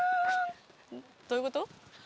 どういうこと？